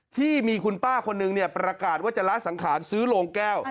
ที่มีคุณป้าคนนึงเนี่ยประกาศว่าจะละสังขารซื้อโรงแก้ว